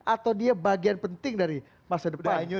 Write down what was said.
atau dia bagian penting dari masa depan